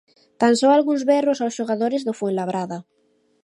Tan só algúns berros aos xogadores do Fuenlabrada.